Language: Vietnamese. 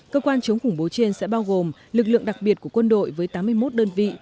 cơ quan chống khủng bố trên sẽ bao gồm lực lượng đặc biệt của quân đội với tám mươi một đơn vị